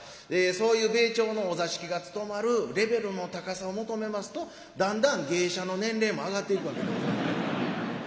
そういう米朝のお座敷がつとまるレベルの高さを求めますとだんだん芸者の年齢も上がっていくわけでございます。